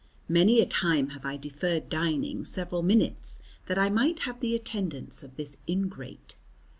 Many a time have I deferred dining several minutes that I might have the attendance of this ingrate.